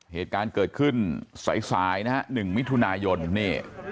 เหตุการณ์เกิดขึ้นสายสายนะฮะ๑มิถุนายนนี่